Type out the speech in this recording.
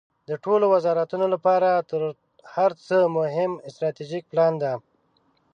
د ټولو وزارتونو لپاره تر هر څه مهم استراتیژیک پلان ده.